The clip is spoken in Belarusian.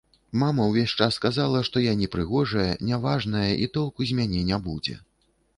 Мама ўвесь час казала, што я непрыгожая, няважная і толку з мяне не будзе.